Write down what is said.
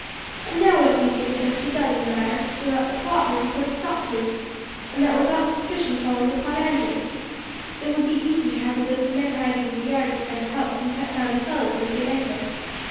And now what do you think had best be done in the matter, so that the plot may be put a stop to, and that without suspicion falling upon Andrew? It would be easy to have a dozen men hiding in the yard behind the house and cut down the fellows as they enter."